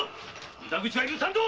無駄口は許さんぞ！